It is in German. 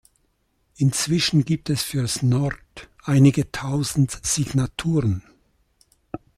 Inzwischen gibt es für Snort einige tausend Signaturen.